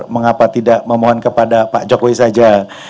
mengapa tidak memohon kepada pak jokowi saja